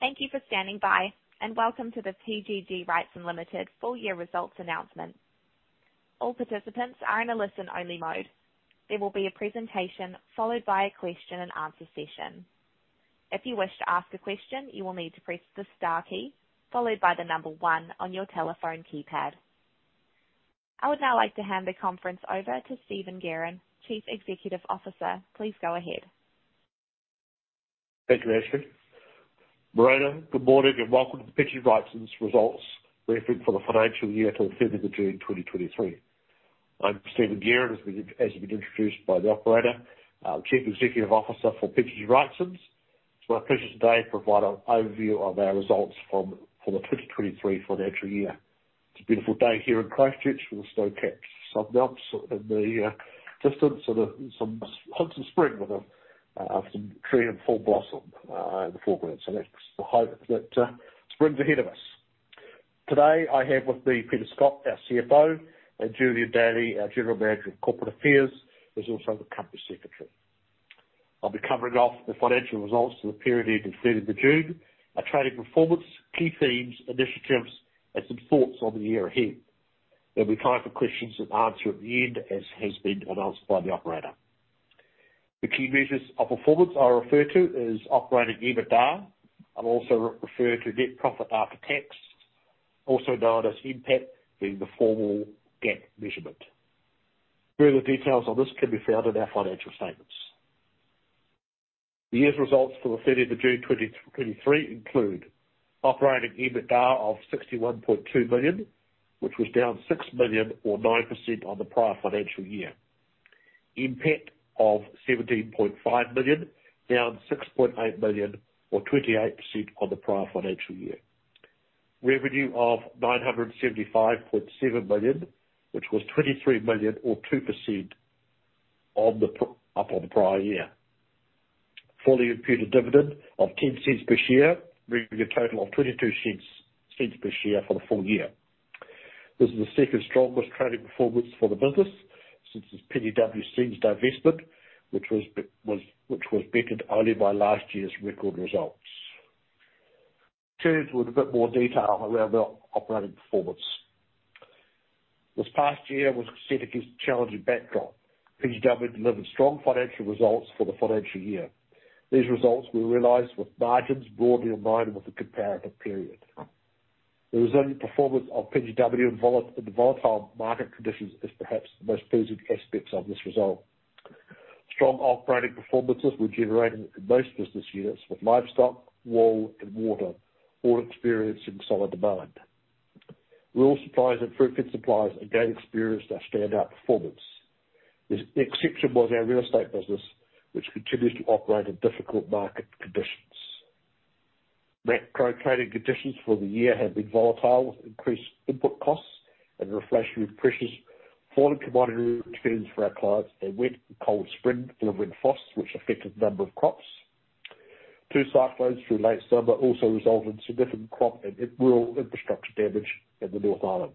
Thank you for standing by. Welcome to the PGG Wrightson Limited Full Year Results Announcement. All participants are in a listen-only mode. There will be a presentation, followed by a question and answer session. If you wish to ask a question, you will need to press the star key, followed by one on your telephone keypad. I would now like to hand the conference over to Stephen Guerin, Chief Executive Officer. Please go ahead. Thank you, Ashley. Morning, good morning, welcome to the PGG Wrightson's Results Briefing for the financial year to the 30th of June, 2023. I'm Stephen Guerin, as you've been introduced by the operator, Chief Executive Officer for PGG Wrightson. It's my pleasure today to provide an overview of our results for the 2023 financial year. It's a beautiful day here in Christchurch, with the snow-capped Southern Alps in the distance, some hints of spring, with some tree in full blossom in the foreground. That's the hope that spring's ahead of us. Today, I have with me Peter Scott, our CFO, and Julian Daly, our General Manager of Corporate Affairs, who's also the Company Secretary.I'll be covering off the financial results for the period ending 30th of June, our trading performance, key themes, initiatives, and some thoughts on the year ahead. There'll be time for questions and answer at the end, as has been announced by the operator. The key measures of performance I'll refer to is operating EBITDA. I'll also re-refer to net profit after tax, also known as NPAT, being the formal GAAP measurement. Further details on this can be found in our financial statements. The year's results for the 30th of June, 2023 include operating EBITDA of NZD 61.2 million, which was down NZD 6 million or 9% on the prior financial year. NPAT of NZD 17.5 million, down NZD 6.8 million or 28% on the prior financial year. Revenue of NZD 975.7 million, which was NZD 23 million, or 2% up on the prior year. Fully imputed dividend of 0.10 per share, bringing a total of 0.22 per share for the full year. This is the second strongest trading performance for the business since its PGW Seeds divestment, which was bettered only by last year's record results. Turn to a bit more detail around our operating performance. This past year was set against a challenging backdrop. PGW delivered strong financial results for the financial year. These results were realized with margins broadly in line with the comparative period. The resilient performance of PGW in the volatile market conditions is perhaps the most pleasing aspects of this result. Strong operating performances were generated in most business units, with Livestock, Wool, and water all experiencing solid demand. Rural Supplies and Fruitfed Supplies again experienced a standout performance. The exception was our Real Estate business, which continues to operate in difficult market conditions. Macro trading conditions for the year have been volatile, with increased input costs and inflationary pressures, falling commodity returns for our clients, a wet and cold spring, and a late frost, which affected a number of crops. Two cyclones through late summer also resulted in significant crop and rural infrastructure damage in the North Island.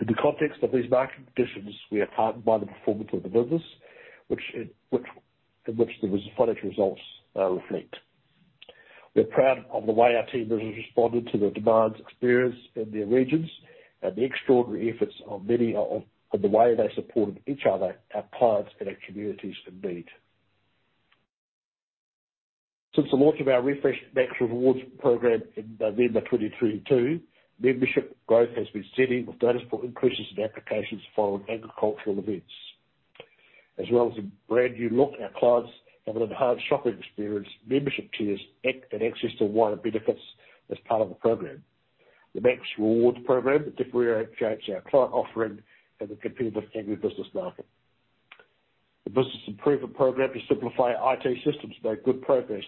In the context of these market conditions, we are heartened by the performance of the business, which the financial results reflect. We're proud of the way our team has responded to the demands experienced in their regions, the extraordinary efforts of many of the way they supported each other, our clients, and our communities in need. Since the launch of our refreshed Max Rewards program in November 2022, membership growth has been steady, with noticeable increases in applications following agricultural events. As well as a brand new look, our clients have an enhanced shopping experience, membership tiers, and access to wider benefits as part of the program. The Max Rewards program differentiates our client offering in a competitive agribusiness market. The business improvement program to simplify IT systems made good progress,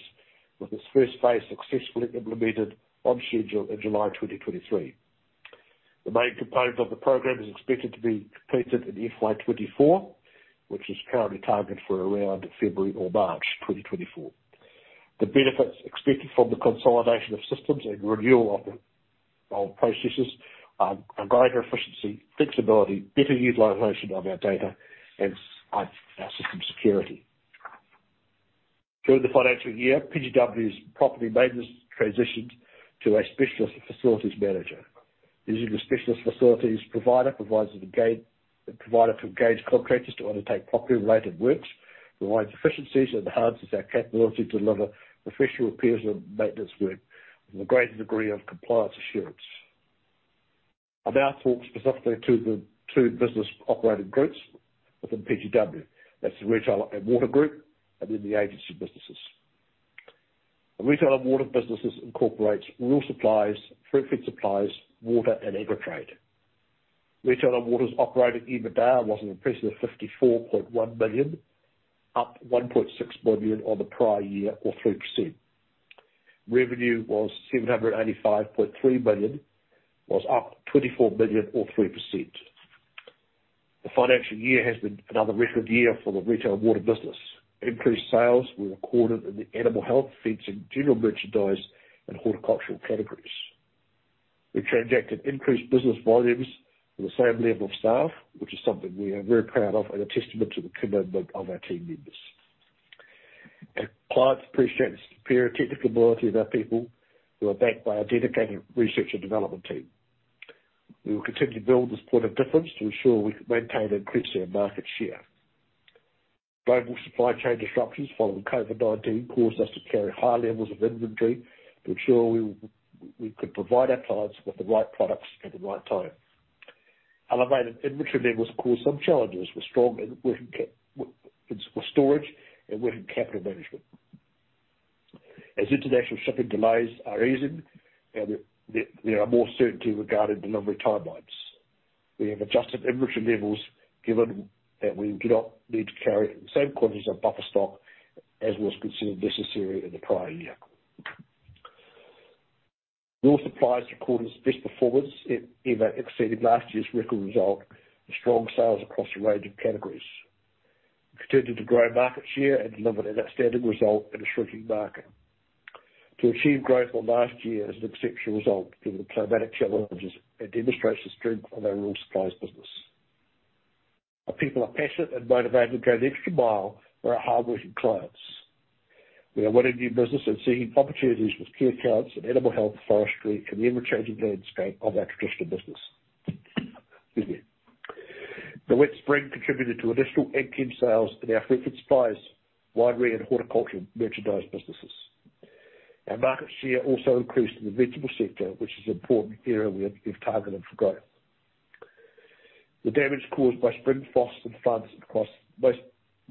with its first phase successfully implemented on schedule in July 2023. The main component of the program is expected to be completed in FY2024, which is currently targeted for around February or March 2024. The benefits expected from the consolidation of systems and renewal of the old processes are greater efficiency, flexibility, better utilization of our data, and system security. During the financial year, PGW's property maintenance transitioned to a specialist facilities manager. Using a specialist facilities provider the provider to engage contractors to undertake property-related works, provides efficiencies, and enhances our capability to deliver professional repairs and maintenance work with a greater degree of compliance assurance. I'll now talk specifically to the two business operating groups within PGW. That's the Retail and Water Group, and then the Agency businesses. The Retail and Water businesses incorporates rural supplies, Fruitfed Supplies, water, and Agritrade. Retail and Water's operating EBITDA was an impressive 54.1 million, up 1.6 million on the prior year, or 3%. Revenue was 785.3 million, was up 24 million, or 3%. The financial year has been another record year for the Retail and Water business. Increased sales were recorded in the animal health, feeds, and general merchandise, and horticultural categories. We transacted increased business volumes with the same level of staff, which is something we are very proud of and a testament to the commitment of our team members. Our clients appreciate the superior technical ability of our people, who are backed by our dedicated research and development team. We will continue to build this point of difference to ensure we can maintain and increase our market share. Global supply chain disruptions following COVID-19 caused us to carry high levels of inventory to ensure we, we could provide our clients with the right products at the right time. Elevated inventory levels caused some challenges with strong and working with storage and working capital management. As international shipping delays are easing, and there are more certainty regarding delivery timelines, we have adjusted inventory levels given that we do not need to carry the same quantities of buffer stock as was considered necessary in the prior year. Rural Supplies recorded its best performance, it even exceeded last year's record result with strong sales across a range of categories. We continued to grow market share and delivered an outstanding result in a shrinking market. To achieve growth on last year is an exceptional result, given the climatic challenges, and demonstrates the strength of our Rural Supplies business. Our people are passionate and motivated to go the extra mile for our hardworking clients. We are winning new business and seeing opportunities with key accounts in animal health, forestry, and the ever-changing landscape of our traditional business. Excuse me. The wet spring contributed to additional end item sales in our Fruitfed Supplies, Winery, and Horticulture Merchandise businesses. Our market share also increased in the vegetable sector, which is an important area we've targeted for growth. The damage caused by spring frost and floods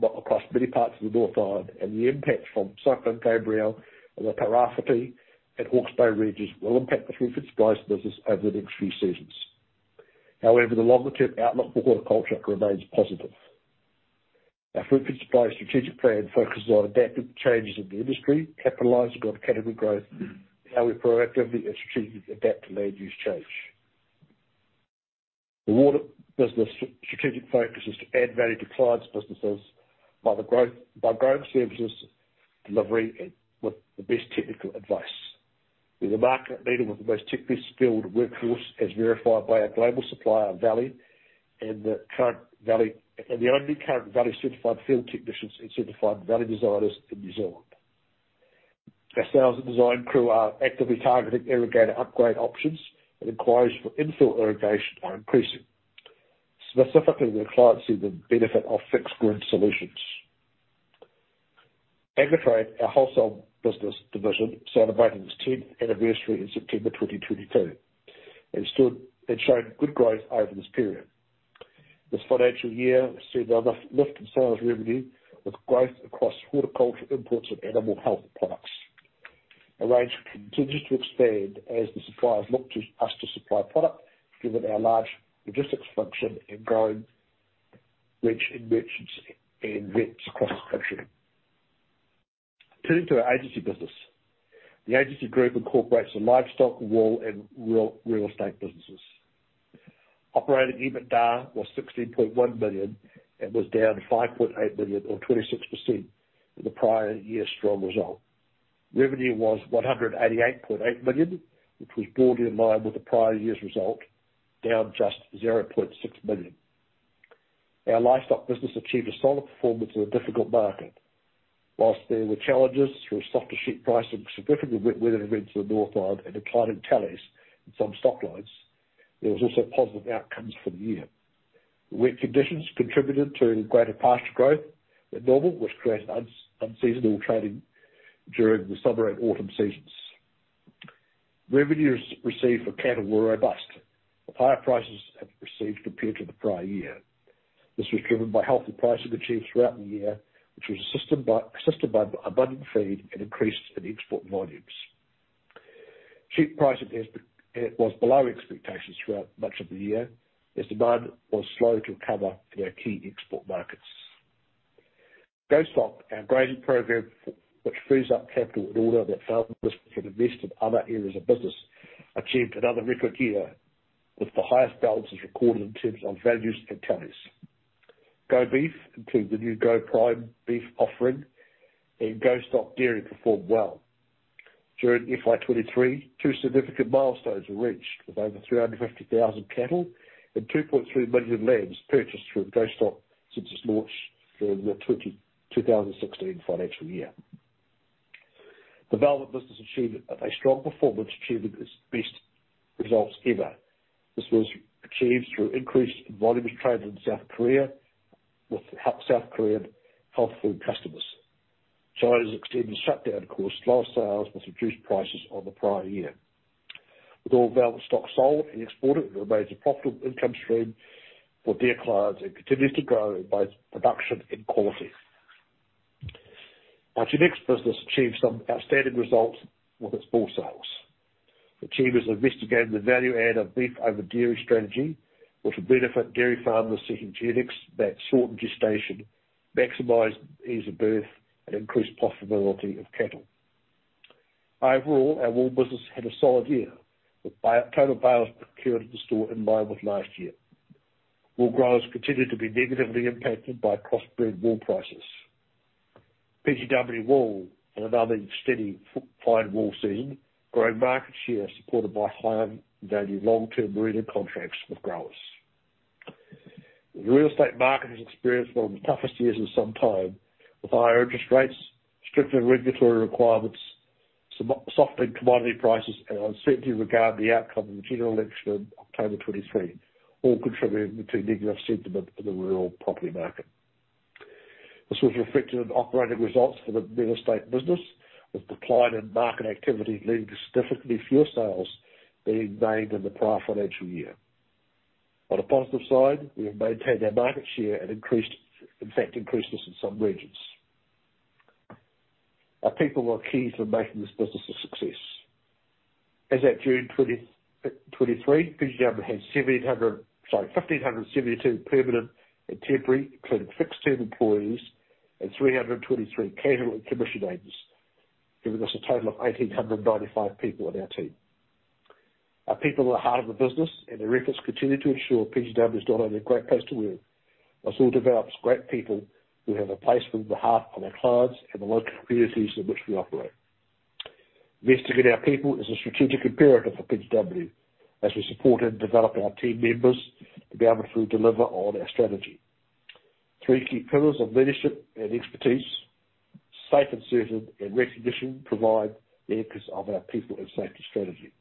across many parts of the North Island, and the impact from Cyclone Gabrielle on the Tairāwhiti and Hawke's Bay regions will impact the Fruitfed Supplies business over the next few seasons. The longer-term outlook for horticulture remains positive. Our Fruitfed Supplies strategic plan focuses on adapting to changes in the industry, capitalizing on category growth, and how we proactively and strategically adapt to land use change. The Water business strategic focus is to add value to clients' businesses by the growth, by growing services, delivery, and with the best technical advice. We're the market leader with the most technically skilled workforce, as verified by our global supplier, Valley, and the only current Valley-certified field technicians and certified Valley designers in New Zealand. Our sales and design crew are actively targeting irrigator upgrade options, and inquiries for in-field irrigation are increasing. Specifically, where clients see the benefit of fixed grid solutions. Agritrade, our wholesale business division, celebrated its 10th anniversary in September 2022, and showed good growth over this period. This financial year has seen a lift in sales revenue, with growth across horticulture imports and animal health products. Our range continues to expand as the suppliers look to us to supply product, given our large logistics function and growing reach in merchants and vets across the country. Turning to our Agency business. The Agency group incorporates the livestock, wool, and Real Estate businesses. Operating EBITDA was 16.1 million, and was down 5.8 million, or 26%, from the prior year's strong result. Revenue was 188.8 million, which was broadly in line with the prior year's result, down just 0.6 million. Our livestock business achieved a solid performance in a difficult market. Whilst there were challenges from softer sheep pricing, significantly wet weather events in the North Island, and declining tallies in some stock lines, there was also positive outcomes for the year. The wet conditions contributed to greater pasture growth than normal, which created unseasonal trading during the summer and autumn seasons. Revenues received for cattle were robust, with higher prices have received compared to the prior year. This was driven by healthy pricing achieved throughout the year, which was assisted by abundant feed and increases in export volumes. Sheep pricing is was below expectations throughout much of the year, as demand was slow to recover in our key export markets. GoStock, our trading program, which frees up capital in order that farmers can invest in other areas of business, achieved another record year, with the highest balances recorded in terms of values and tallies. GoBeef, including the new GoPrime Beef offering and GoStock Dairy, performed well. During FY2023, two significant milestones were reached, with over 350,000 cattle and 2.3 million lambs purchased through GoStock since its launch during the 2016 financial year. Velvet business achieved a strong performance, achieving its best results ever. This was achieved through increased volume trade in South Korea with South Korean health food customers. China's extended shutdown caused lower sales with reduced prices on the prior year. With all development stock sold and exported, it remains a profitable income stream for deer clients and continues to grow in both production and quality. Our Genetics business achieved some outstanding results with its bull sales. AgResearch are investigating the value add of beef over dairy strategy, which will benefit dairy farmers seeking genetics that shorten gestation, maximize ease of birth, and increase profitability of cattle. Overall, our wool business had a solid year, with total bales procured at the store in line with last year. Wool growers continued to be negatively impacted by crossbred wool prices. PGW Wool had another steady footing, fine wool season, growing market share supported by high value long-term breeding contracts with growers. The real estate market has experienced one of the toughest years in some time, with higher interest rates, stricter regulatory requirements, some softened commodity prices, and uncertainty regarding the outcome of the general election on October 2023, all contributing to negative sentiment in the rural property market. This was reflected in operating results for the Real Estate business, with decline in market activity leading to significantly fewer sales being made in the prior financial year. On a positive side, we have maintained our market share and increased, in fact, increased this in some regions. Our people were key to making this business a success. As at June 2023, PGW had 1,572 permanent and temporary, including fixed-term employees, and 323 casual and commission agents, giving us a total of 1,895 people on our team. Our people are the heart of the business, and their efforts continue to ensure PGW is not only a great place to work, but also develops great people who have a place from the heart of our clients and the local communities in which we operate. Investing in our people is a strategic imperative for PGW, as we support and develop our team members to be able to deliver on our strategy. Three key pillars of leadership and expertise, safe and certain, and recognition provide the focus of our people and safety strategy.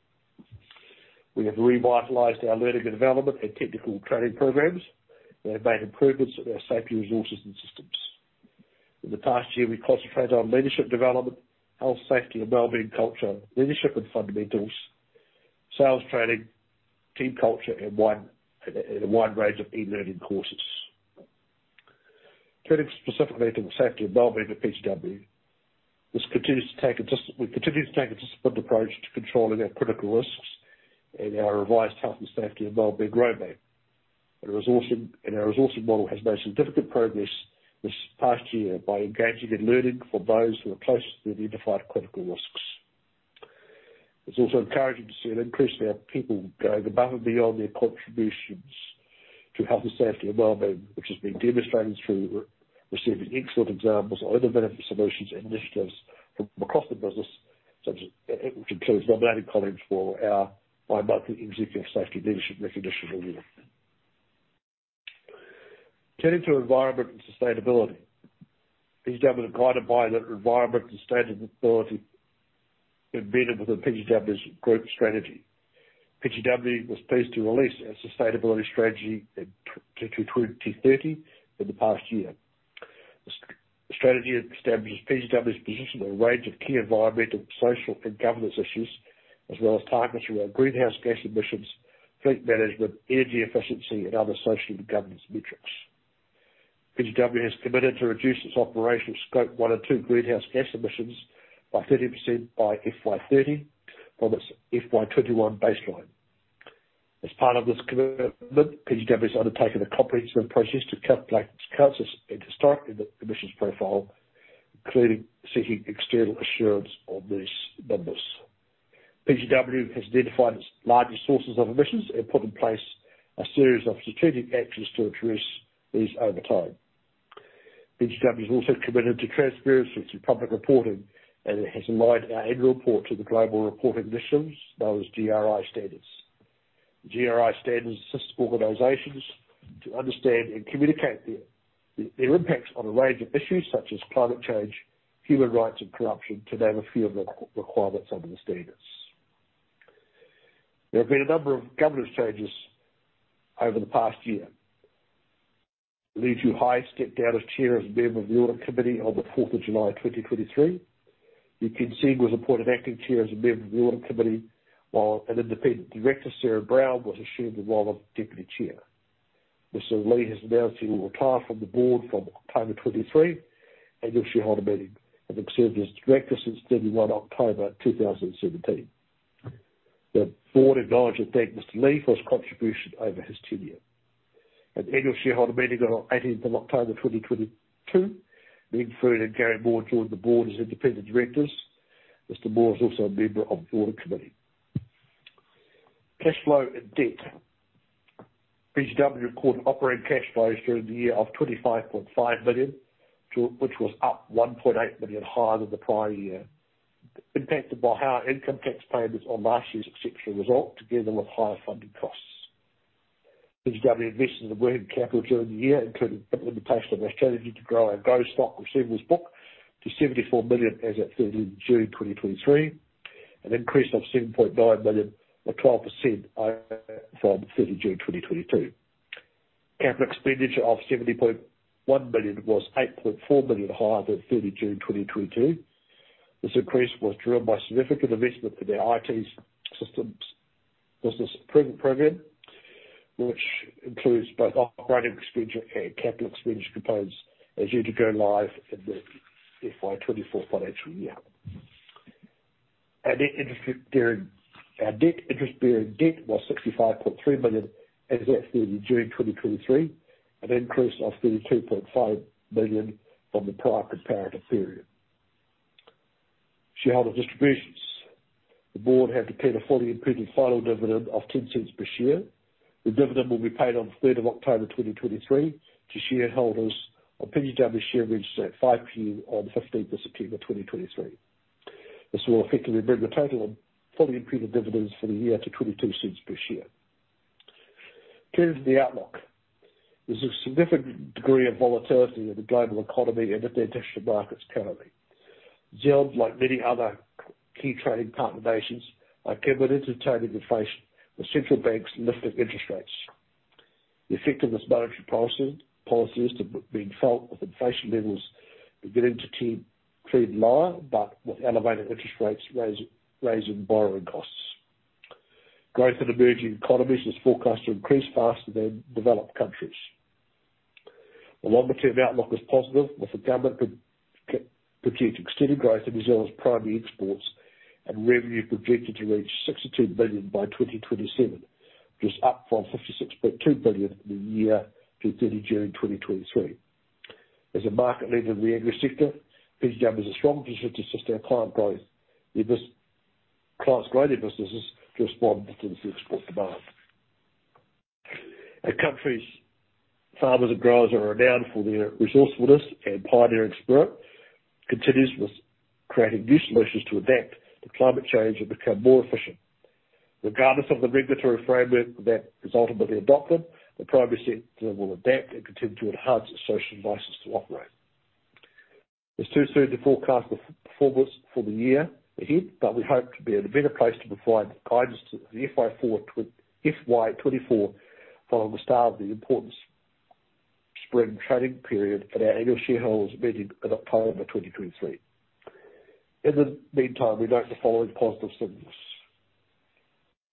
We have revitalized our learning and development and technical training programs, and have made improvements in our safety resources and systems. In the past year, we concentrated on leadership development, health, safety and wellbeing culture, leadership and fundamentals, sales training, team culture, and a wide range of e-learning courses. Turning specifically to the safety and wellbeing of PGW, we continue to take a disciplined approach to controlling our critical risks and our revised health and safety and wellbeing roadmap. Resourcing, and our resourcing model has made significant progress this past year by engaging in learning for those who are closest to the identified critical risks. It's also encouraging to see an increase in our people going above and beyond their contributions to health and safety and wellbeing, which has been demonstrated through receiving excellent examples of other benefit solutions and initiatives from across the business, such as, which includes nominating colleagues for our bi-monthly executive safety leadership recognition award. Turning to environment and sustainability. PGW is guided by the environment and sustainability embedded within PGW's group strategy. PGW was pleased to release our sustainability strategy in 2020-2030 in the past year. The strategy establishes PGW's position on a range of key environmental, social, and governance issues, as well as targets for our greenhouse gas emissions, fleet management, energy efficiency, and other social and governance metrics. PGW has committed to reduce its operational Scope 1 and 2 greenhouse gas emissions by 30% by FY2030 from its FY2021 baseline. As part of this commitment, PGW has undertaken a comprehensive process to calculate, calculate its historic emissions profile, including seeking external assurance on these numbers. PGW has identified its largest sources of emissions and put in place a series of strategic actions to address these over time. PGW is also committed to transparency through public reporting. It has aligned our annual report to the Global Reporting Initiative, known as GRI Standards.GRI Standards assists organizations to understand and communicate their impacts on a range of issues such as climate change, human rights, and corruption, to name a few of the requirements under the standards. There have been a number of governance changes over the past year. Lee Joo Hai stepped down as chair and as a member of the Audit Committee on the 4th of July, 2023. U Kean Seng was appointed acting chair as a member of the Audit Committee, while an independent director, Sarah Brown, was assumed the role of deputy chair. Mr. Lee has announced he will retire from the Board from October 2023, annual shareholder meeting, and has served as director since 31 October 2017. The Board acknowledges and thank Mr. Lee for his contribution over his tenure. At the annual shareholder meeting on the 18th of October 2022, Meng Foon and Garry Moore joined the Board as Independent Directors. Mr. Moore is also a member of the Audit Committee. Cash flow and debt. PGW recorded operating cash flows during the year of 25.5 million, which was up 1.8 million higher than the prior year, impacted by higher income tax payments on last year's exceptional result, together with higher funding costs. PGW invested in working capital during the year, including the limitation of our strategy to grow our GoStock receivables book to 74 million as at 30 June 2023, an increase of 7.9 million, or 12%, from 30 June 2022. Capital expenditure of 70.1 million was 8.4 million higher than 30 June 2022.This increase was driven by significant investment in our IT systems business improvement program, which includes both operating expenditure and capital expenditure components, as yet to go live in the FY2024 financial year. Our debt, interest bearing debt was 65.3 million as at June 30, 2023, an increase of 32.5 million from the prior comparative period. shareholder distributions. The Board have declared a fully imputed final dividend of 0.10 per share. The dividend will be paid on October 3, 2023, to shareholders of PGW share registered at 5:00 P.M. on September 15, 2023. This will effectively bring the total of fully imputed dividends for the year to 0.22 per share. Turning to the outlook. There's a significant degree of volatility in the global economy and the financial markets currently. New Zealand, like many other key trading partner nations, are keen but into targeting inflation with central banks lifting interest rates. The effect of this monetary policy is to be felt with inflation levels beginning to trend lower, but with elevated interest rates, raising borrowing costs. Growth in emerging economies is forecast to increase faster than developed countries. The longer-term outlook is positive, with the government projecting extended growth in New Zealand's primary exports and revenue projected to reach 62 billion by 2027, which is up from 56.2 billion in the year to 30 June 2023. As a market leader in the agri sector, PGW has a strong position to assist our client growth, clients growing their businesses to respond to the export demand. Our country's farmers and growers are renowned for their resourcefulness, and pioneer spirit, continues with creating new solutions to adapt to climate change and become more efficient. Regardless of the regulatory framework that is ultimately adopted, the primary sector will adapt and continue to enhance its social license to operate. It's too soon to forecast the performance for the year ahead, but we hope to be in a better place to provide guidance to the FY2024 from the start of the important spring trading period at our annual shareholders meeting in October 2023. In the meantime, we note the following positive things: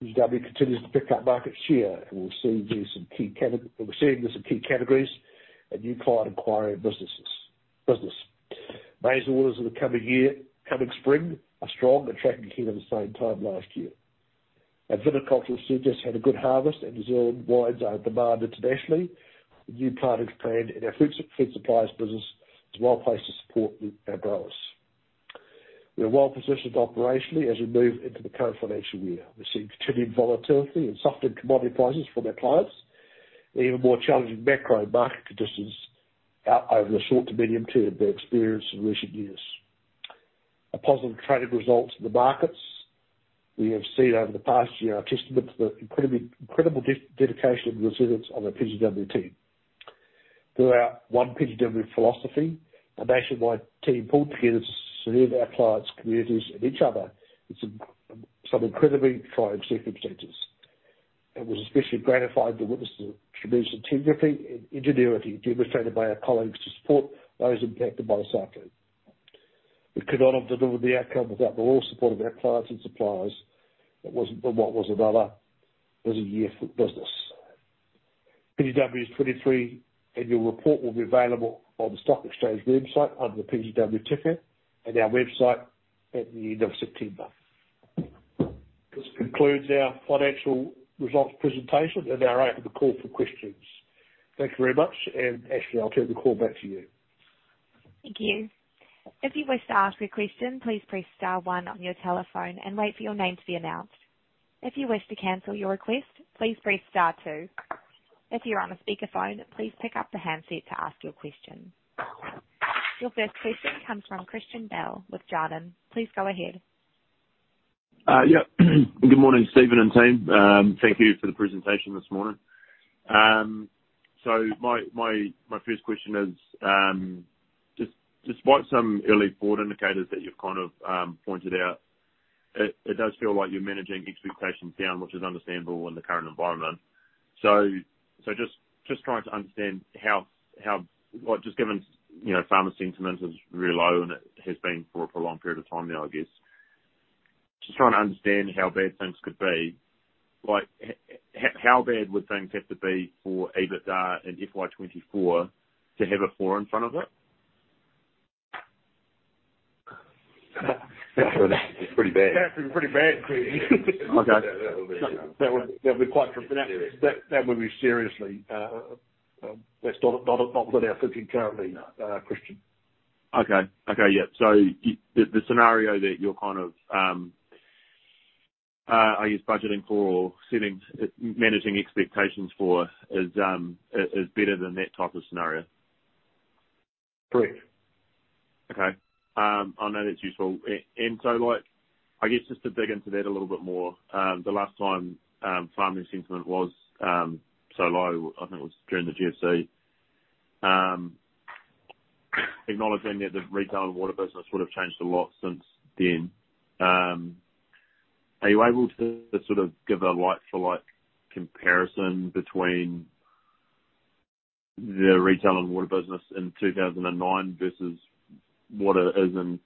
PGW continues to pick up market share, and we're seeing this in key categories and new client inquiry businesses, business. Maize orders in the coming year, coming spring, are strong, tracking ahead of the same time last year. Our viticultural sector has had a good harvest, and New Zealand wines are in demand internationally. The new planting plan in our food suppliers business is well placed to support our growers. We are well positioned operationally as we move into the current financial year. We're seeing continued volatility and softened commodity prices from our clients, even more challenging macro market conditions out over the short to medium term they experienced in recent years. A positive trading results in the markets we have seen over the past year are a testament to the incredible dedication and resilience of our PGW team. Throughout our One PGW philosophy, our nationwide team pulled together to serve our clients, communities, and each other with some incredibly trying circumstances.It was especially gratifying to witness the contribution, integrity, and ingenuity demonstrated by our colleagues to support those impacted by the cyclone. We could not have delivered the outcome without the loyal support of our clients and suppliers. It was, what was another, it was a year for business. PGW's 2023 annual report will be available on the Stock Exchange website under the PGW ticker and our website at the end of September. This concludes our financial results presentation, and we are open to call for questions. Thank you very much, and Ashley, I'll turn the call back to you. Thank you. If you wish to ask a question, please press star one on your telephone and wait for your name to be announced. If you wish to cancel your request, please press star two. If you're on a speakerphone, please pick up the handset to ask your question. Your first question comes from Christian Bell with Jarden. Please go ahead. Yep. Good morning, Stephen and team. Thank you for the presentation this morning. My, my, my first question is, just, despite some early Board indicators that you've kind of, pointed out, it, it does feel like you're managing expectations down, which is understandable in the current environment. Just, just trying to understand how, just given, you know, farmer sentiment is really low, and it has been for, for a long period of time now, I guess. Just trying to understand how bad things could be. Like, how bad would things have to be for EBITDA in FY2024 to have a four in front of it? It's pretty bad. That'd be pretty bad, Christian. Okay. That, that would be seriously, that's not, not, not what we're thinking currently, Christian. Okay. Okay, yeah. The, the scenario that you're kind of, I guess, budgeting for, or setting, managing expectations for is, is better than that type of scenario? Correct. Okay. I know that's useful. So, like, I guess, just to dig into that a little bit more, the last time, farming sentiment was so low, I think it was during the GFC. Acknowledging that the Retail and Water business would have changed a lot since then, are you able to sort of give a like for like comparison between the Retail and Water business in 2009 versus what it is in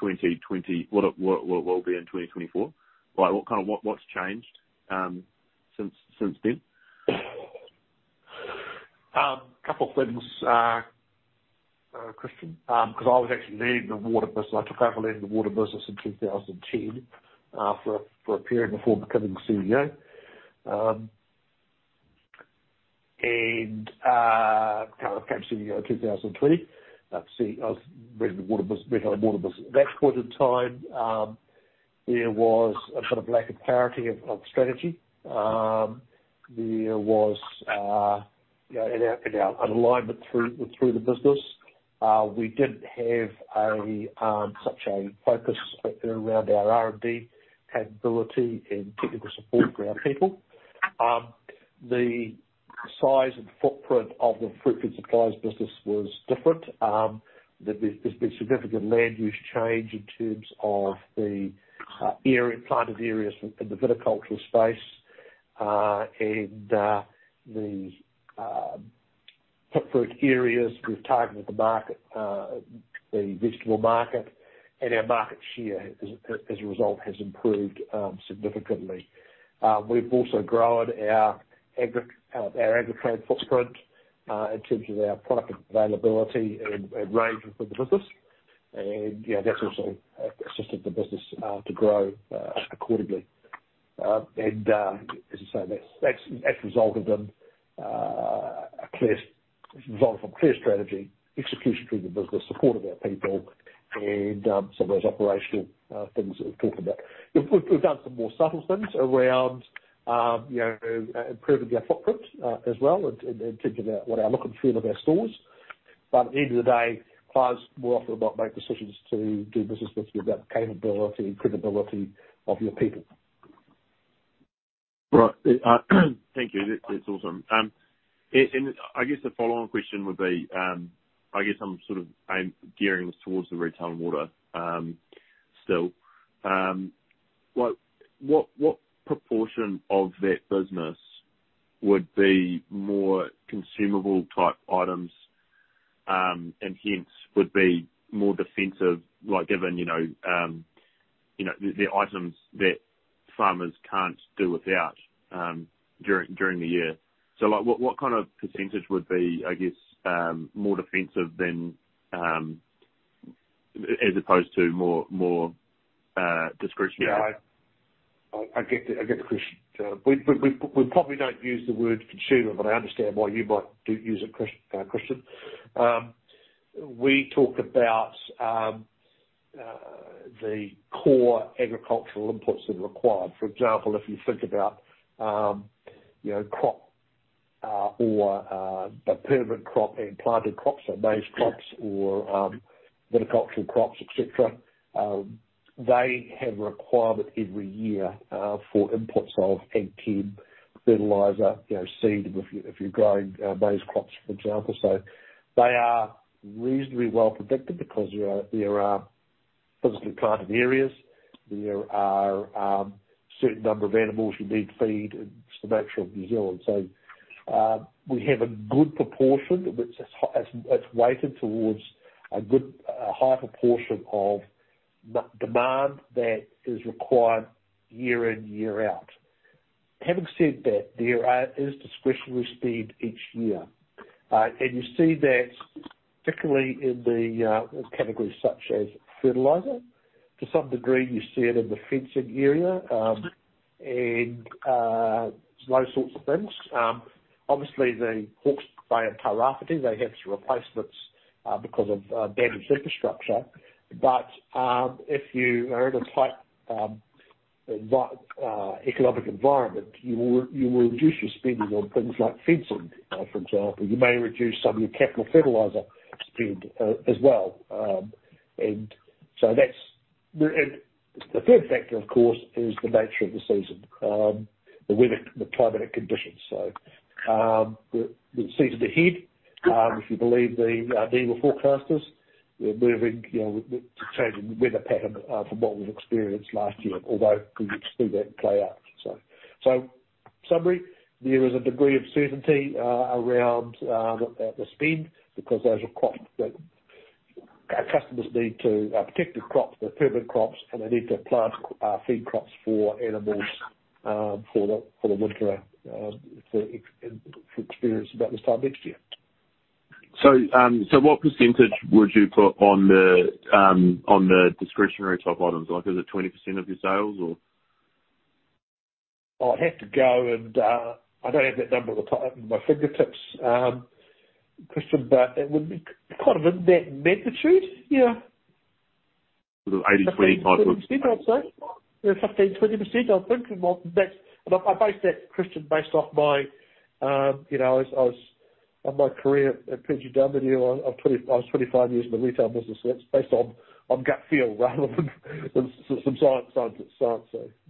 2020, what it will be in 2024? Like, what kind of, what, what's changed since then? Couple things, Christian, because I was actually leading the water business. I took over leading the water business in 2010 for a period before becoming CEO. Kind of perhaps in, you know, 2020, let's see, I was reading the Retail and Water business. At that point in time, there was a sort of lack of clarity of strategy. There was, you know, an alignment through the business. We didn't have such a focus around our R&D capability and technical support for our people. The size and footprint of the Fruitfed Supplies business was different. There's been significant land use change in terms of the area, planted areas in the viticultural space. The fruit areas, we've targeted the market, the vegetable market, and our market share as a result, has improved significantly. We've also grown our Agritrade footprint in terms of our product availability and range for the business. You know, that's also assisted the business to grow accordingly. As I say, that's, that's, as a result of them, a clear result from clear strategy, execution through the business, support of our people, and some of those operational things that we've talked about. We've, we've done some more subtle things around, you know, improving our footprint as well, in terms of our look and feel of our stores.At the end of the day, clients will often not make decisions to do business with you without capability and credibility of your people. Right. Thank you. That, that's awesome. I guess the follow-on question would be, I guess I'm sort of, I'm gearing this towards the Retail and Water still. Like, what, what proportion of that business would be more consumable type items, and hence would be more defensive, like, given, you know, you know, the items that farmers can't do without during, during the year? Like, what, what kind of % would be, I guess, more defensive than as opposed to more, more discretionary? Yeah, I get the question. We, we, we probably don't use the word consumer, but I understand why you might use it, Christian. We talk about the core agricultural inputs that are required. For example, if you think about, you know, crop, or a permanent crop and planted crops, so maize crops or viticultural crops, et cetera, they have a requirement every year for inputs of NPK, fertilizer, you know, seed if you, if you're growing maize crops, for example. They are reasonably well protected because there are physically planted areas. There are certain number of animals you need feed, and it's the nature of New Zealand.We have a good proportion, which is weighted towards a good, high proportion of demand that is required year in, year out. Having said that, there is discretionary speed each year. You see that particularly in the categories such as fertilizer. To some degree, you see it in the fencing area, those sorts of things. Obviously, the Hawke's Bay and Tairāwhiti, they have some replacements because of damaged infrastructure. If you are in a tight economic environment, you will, you will reduce your spending on things like fencing, for example. You may reduce some of your capital fertilizer spend as well. The third factor, of course, is the nature of the season, the weather, the climatic conditions. The, the season ahead, if you believe the forecasters, we're moving, you know, to change the weather pattern, from what we've experienced last year, although we see that play out. Summary, there is a degree of certainty around the spend, because those are crops that our customers need to protect the crops, the permanent crops, and they need to plant feed crops for animals for the winter, to experience about this time next year. What percentage would you put on the, on the discretionary type items? Like, is it 20% of your sales, or? I'd have to go and, I don't have that number at the top of my fingertips, Christian, but it would be kind of in that magnitude. Yeah. 80, 25%. I'd say. Yeah, 15%-20%, I'm thinking. I base that, Christian, based off my, you know, as I was, on my career at PGW, I was 25 years in the retail business, so it's based on, on gut feel rather than, than some science, science, science.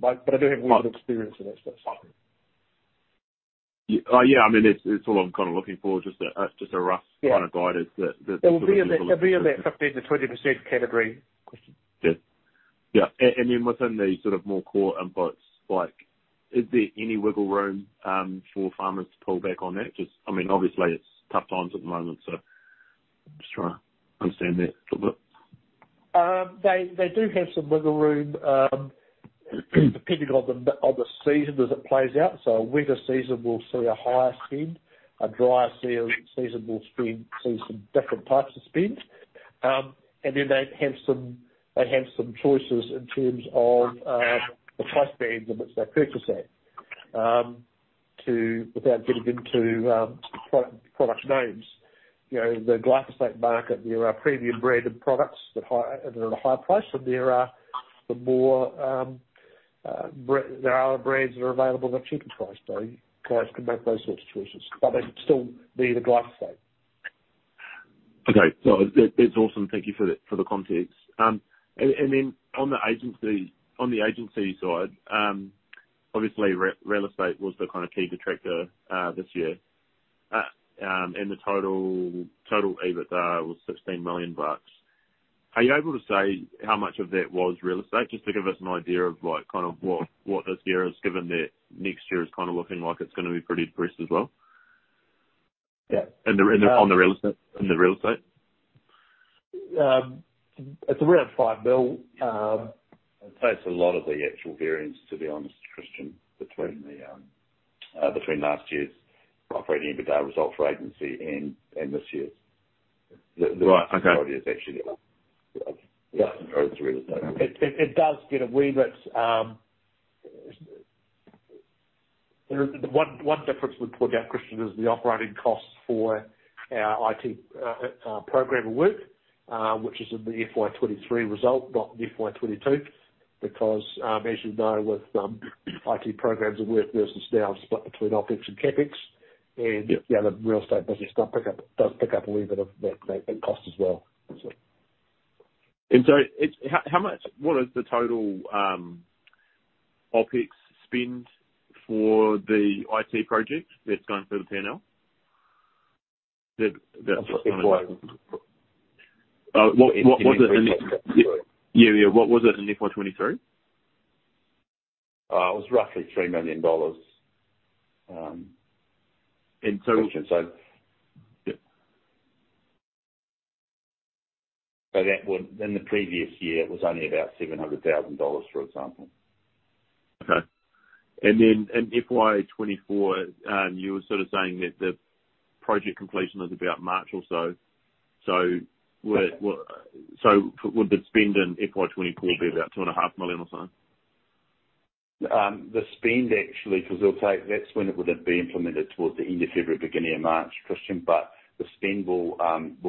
I do have a lot of experience in that space. Yeah, I mean, it's, it's all I'm kind of looking for, just a, just a rough. Yeah Kind of guidance that. It'll be in that, it'll be in that 15%-20% category, Christian. Yeah. Yeah, then within the sort of more core inputs, like, is there any wiggle room for farmers to pull back on that? Just, I mean, obviously it's tough times at the moment, so just trying to understand that a little bit. They, they do have some wiggle room, depending on the, on the season as it plays out. A wetter season will see a higher spend, a drier season will spend, see some different types of spend. Then they have some, they have some choices in terms of, the price bands in which they purchase that. To, without getting into, products names, you know, the glyphosate market, there are premium branded products that are higher, at a higher price, and there are the more, there are brands that are available at a cheaper price. Clients can make those sorts of choices, but they can still need a glyphosate. Okay. That, that's awesome. Thank you for the, for the context. And then on the Agency, on the Agency side, obviously real estate was the kind of key detractor this year. The total, total EBITDA was $16 million. Are you able to say how much of that was real estate? Just to give us an idea of, like, kind of what, what this year is, given that next year is kind of looking like it's gonna be pretty depressed as well. Yeah. On the real estate, in the real estate? it's around 5 million. It takes a lot of the actual variance, to be honest, Christian, between last year's operating EBITDA results for Agency and, and this year's. Right. Okay. Actually, yeah, it's real estate. It, it, it does get a wee bit, there is one, one difference we put down, Christian, is the operating costs for our IT program of work, which is in the FY2023 result, not in FY2022, because, as you know, with IT programs of work versus now split between OpEx and CapEx, and yeah, the Real Estate business does pick up, does pick up a wee bit of that, that cost as well. What is the total OpEx spend for the IT project that's going through the P&L? What was it in? Yeah, yeah. What was it in FY2023? It was roughly $3 million. And so- Yep. That would... In the previous year, it was only about $700,000, for example. Okay. Then in FY2024, you were sort of saying that the project completion is about March or so. Would the spend in FY2024 be about 2.5 million or something? The spend actually, because it'll take, that's when it would have been implemented, towards the end of February, beginning of March, Christian, but the spend will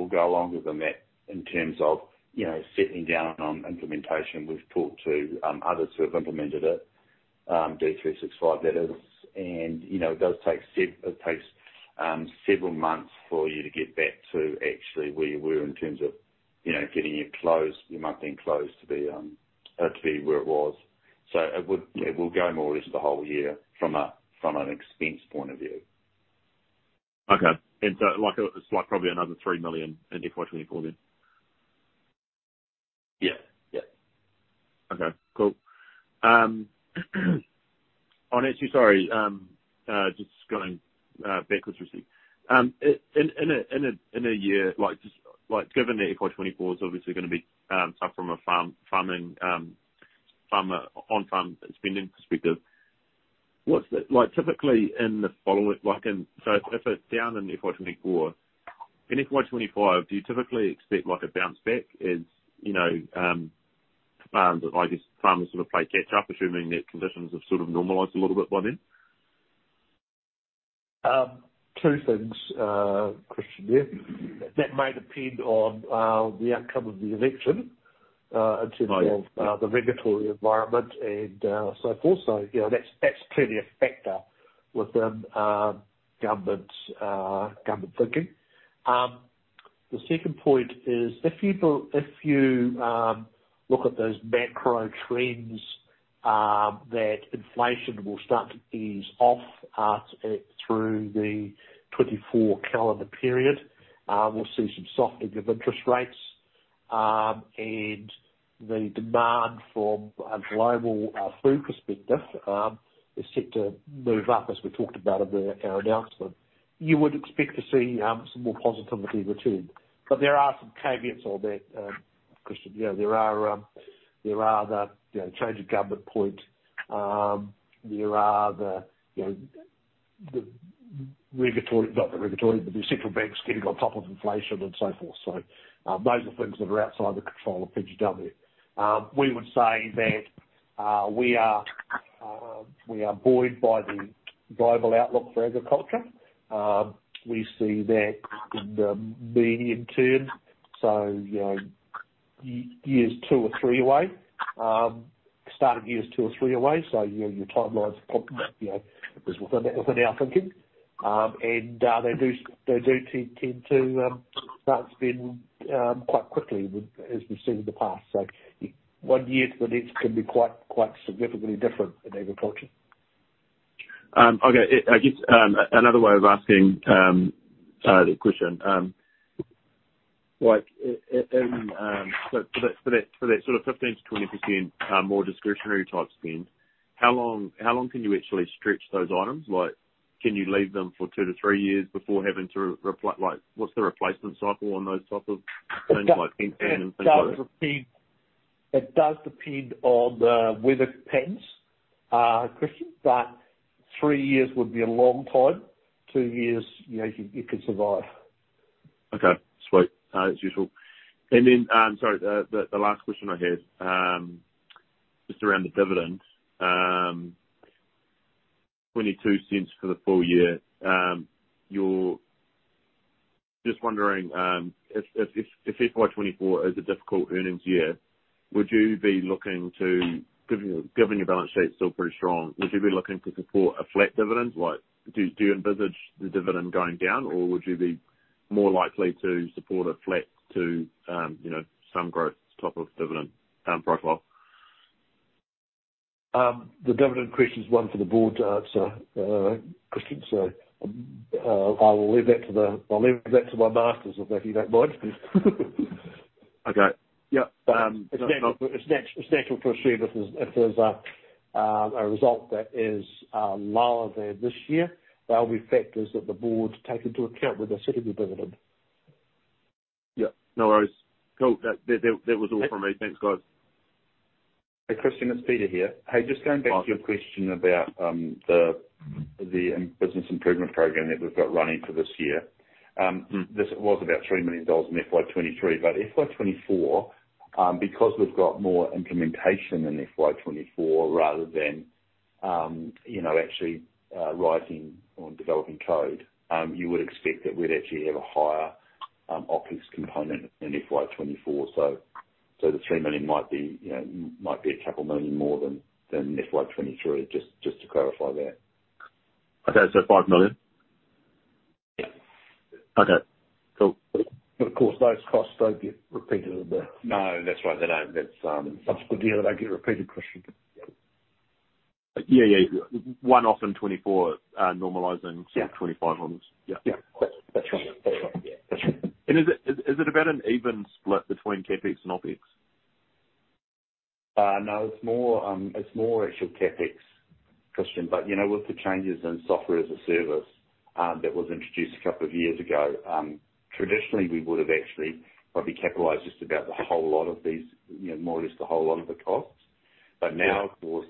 go longer than that in terms of, you know, settling down on implementation. We've talked to others who have implemented it, D365, that is, and you know it does take several months for you to get back to actually where you were in terms of, you know, getting your close, your monthly close to be to be where it was. It would, it will go more or less the whole year from a, from an expense point of view. Okay. So, like, it's like probably another 3 million in FY2024 then? Yeah. Yeah. Okay, cool. Oh, actually sorry, just going backwards a bit. In a, in a, in a year, given that FY2024 is obviously gonna be tough from a farming, farmer, on-farm spending perspective, what's the... Typically in the following, in, so if it's down in FY2024, in FY2025, do you typically expect a bounce back as, you know, farms, I guess, farmers sort of play catch up, assuming that conditions have sort of normalized a little bit by then? Two things, Christian, yeah. That may depend on, the outcome of the election, in terms of- Right The regulatory environment and so forth. You know, that's, that's clearly a factor within government government thinking. The second point is if you if you look at those macro trends that inflation will start to ease off through the 2024 calendar period, we'll see some softening of interest rates and the demand from a global food perspective is set to move up, as we talked about in the, our announcement. You would expect to see some more positivity returned. There are some caveats on that, Christian. You know, there are there are the, you know, change of government point. There are the, you know, the regulatory, not the regulatory, but the central banks getting on top of inflation and so forth. Those are things that are outside the control of PGW. We would say that we are buoyed by the global outlook for agriculture. We see that in the medium term, so, you know, years two or three away, start of years two or three away, so, you know, your timelines are probably, you know, within, within our thinking. They do, they do tend, tend to start to spin quite quickly with, as we've seen in the past. One year to the next can be quite, quite significantly different in agriculture. Okay. I guess another way of asking the question, like, so for that, for that, sort of, 15%-20% more discretionary type spend, how long, how long can you actually stretch those items? Like, can you leave them for 2-3 years before having to? Like, what's the replacement cycle on those type of things, like paint and things like that? It does depend on the weather patterns, Christian, but three years would be a long time. Two years, you know, you, you could survive. Okay, sweet. As usual. Sorry, the last question I had just around the dividends. 0.22 for the full year. Just wondering if FY2024 is a difficult earnings year, would you be looking to, given your balance sheet's still pretty strong, would you be looking to support a flat dividend? Do you envisage the dividend going down, or would you be more likely to support a flat to, you know, some growth type of dividend profile? The dividend question is one for the Board to answer, Christian, so I will leave that to the-- I'll leave that to my masters, if you don't mind. Okay. Yep. It's natural to assume if there's, if there's a result that is lower than this year, there will be factors that the Board take into account when they set a new dividend. Yeah, no worries. Cool. That, that, that was all from me. Thanks, guys. Hey, Christian, it's Peter here. Just going back to your question about the business improvement program that we've got running for this year. This was about $3 million in FY2023, but FY2024, because we've got more implementation in FY2024 rather than, you know, actually, writing or developing code, you would expect that we'd actually have a higher OpEx component in FY2024. The $3 million might be, you know, might be $2 million more than FY2023, just to clarify that. Okay. 5 million? Yeah. Okay, cool. Of course, those costs don't get repeated. No, that's right. They don't. That's. That's a good deal, they don't get repeated, Christian. Yeah, yeah. one off in 2024. Yeah. 2025 onwards. Yeah. Yeah. That's right. That's right. Yeah. Is it, is, is it about an even split between CapEx and OpEx? No, it's more, it's more actual CapEx, Christian, but, you know, with the changes in Software as a Service, that was introduced a couple of years ago, traditionally we would have actually probably capitalized just about a whole lot of these, you know, more or less a whole lot of the costs. Now, of course,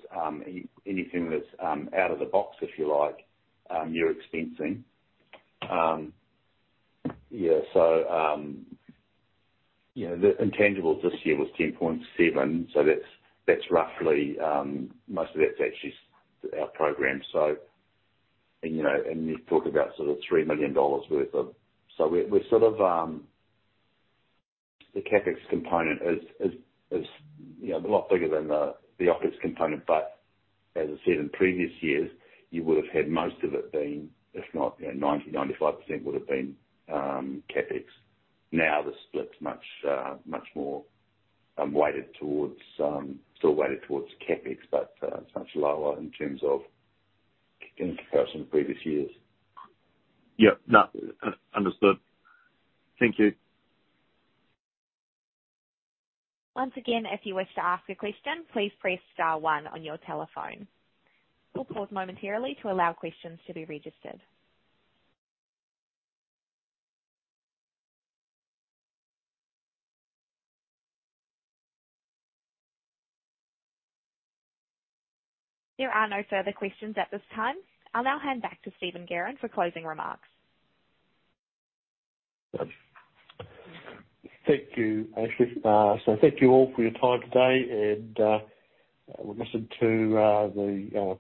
anything that's out of the box, if you like, you're expensing. Yeah, you know, the intangibles this year was $10.7, so that's, that's roughly, most of that's actually our program. You know, and you talk about sort of $3 million worth of... We- we're sort of, the CapEx component is, is, is, you know, a lot bigger than the, the OpEx component, but as I said, in previous years, you would have had most of it being, if not, you know, 90%, 95% would have been, CapEx. Now, the split's much, much more, weighted towards, still weighted towards CapEx, but, much lower in terms of in comparison to previous years. Yep. No, understood. Thank you. Once again, if you wish to ask a question, please press star one on your telephone. We'll pause momentarily to allow questions to be registered. There are no further questions at this time. I'll now hand back to Stephen Guerin for closing remarks. Thank you, Ashley. Thank you all for your time today, and we'll listen to the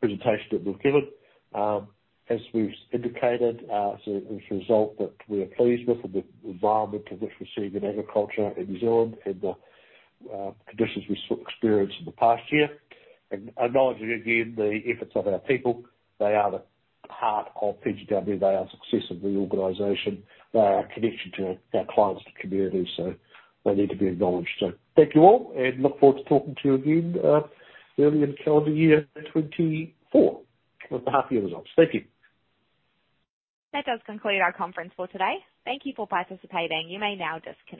presentation that we've given. As we've indicated, it's a result that we are pleased with, and the environment in which we see in agriculture in New Zealand and the conditions we experienced in the past year. Acknowledging again, the efforts of our people, they are the heart of PGW. They are success of the organization. They are our connection to our clients, to community, so they need to be acknowledged. Thank you all, and look forward to talking to you again, early in calendar year 2024 with the half year results. Thank you. That does conclude our conference for today. Thank you for participating. You may now disconnect.